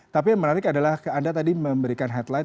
tapi yang menarik adalah anda tadi memberikan headline